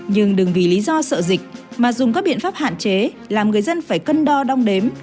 nhưng đừng vì lý do sợ dịch mà dùng các biện pháp hạn chế làm người dân phải cân đo đong đếm